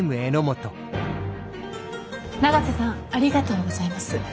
永瀬さんありがとうございます。